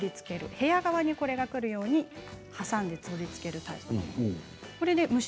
部屋側に来るように挟んで取り付けるタイプです。